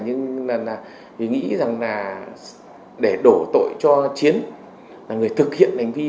nhưng vì nghĩ rằng là để đổ tội cho chiến là người thực hiện hành vi